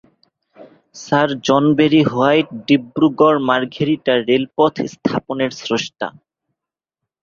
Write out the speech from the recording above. Sir John Berry White ডিব্রুগড়-মার্ঘেরিটা রেল-পথ স্থাপনের স্রষ্টা।